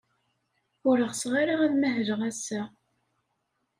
Ur ɣseɣ ara ad mahleɣ ass-a.